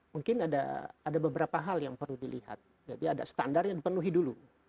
mungkin ada beberapa hal yang perlu dilihat jadi ada standar yang dipenuhi dulu